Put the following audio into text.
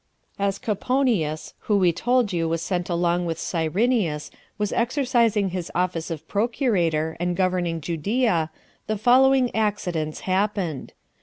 2. As Coponius, who we told you was sent along with Cyrenius, was exercising his office of procurator, and governing Judea, the following accidents happened.